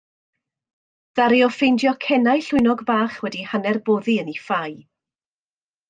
Ddaru o ffeindio cenau llwynog bach wedi hanner boddi yn ei ffau.